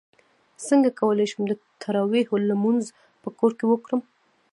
څنګه کولی شم د تراویحو لمونځ په کور کې وکړم